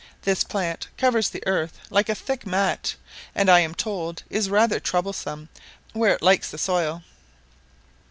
This plant covers the earth like a thick mat, and, I am told, is rather troublesome where it likes the soil.